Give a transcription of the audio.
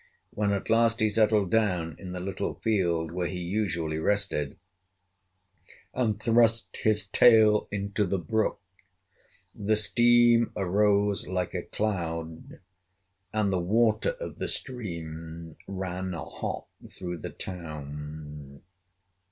When at last he settled down in the little field where he usually rested, and thrust his tail into the brook, the steam arose like a cloud, and the water of the stream ran hot through the town.